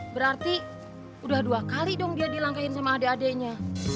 berarti udah dua kali dong dia dilangkahin sama adek adeknya